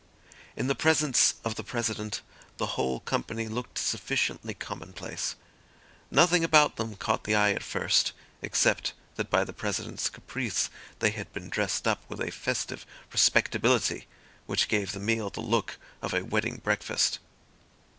In the presence of the President the whole company looked sufficiently commonplace; nothing about them caught the eye at first, except that by the President's caprice they had been dressed up with a festive respectability, which gave the meal the look of a wedding breakfast.